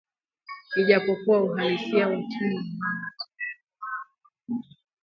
Ijapokuwa uhalisia wa Tumwa Muhammad